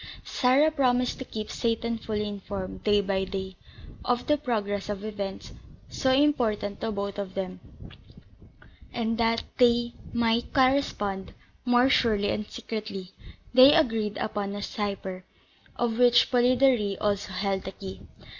Sarah promised to keep Seyton fully informed, day by day, of the progress of events, so important to both of them; and, that they might correspond more surely and secretly, they agreed upon a cipher, of which Polidori also held the key.